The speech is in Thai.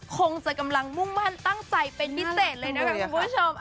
คงจะกำลังมุ่งมั่นตั้งใจเป็นพิเศษเลยนะคะคุณผู้ชม